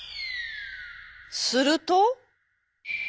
すると。